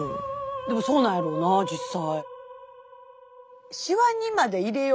でもそうなんやろな実際。